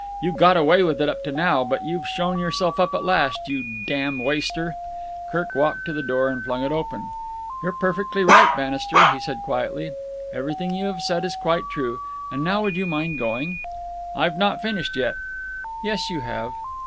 You've got away with it up to now, but you've shown yourself up at last. You damned waster!" Kirk walked to the door and flung it open. "You're perfectly right, Bannister," he said quietly. "Everything you have said is quite true. And now would you mind going?" "I've not finished yet." "Yes, you have."